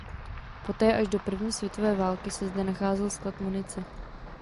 Poté až do první světové války se zde nacházel sklad munice.